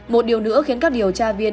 một điều nữa khiến các điều tra viên